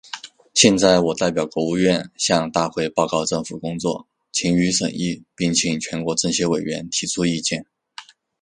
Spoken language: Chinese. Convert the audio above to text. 现在，我代表国务院，向大会报告政府工作，请予审议，并请全国政协委员提出意见。